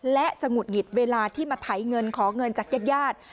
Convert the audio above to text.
และจะหงุดหงิดเวลาที่มาไถเงินขอเงินจากญาติญาติ